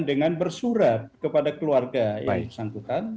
dengan bersurat kepada keluarga yang bersangkutan